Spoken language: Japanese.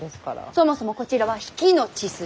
そもそもこちらは比企の血筋。